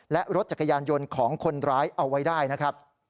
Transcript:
และรถจักรยานยนต์ของคนร้ายเอาไว้ได้นะครับ